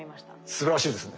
すばらしいですね。